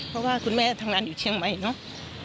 เพราะว่าคุณแม่ทำงานอยู่เชียงใหม่เนอะ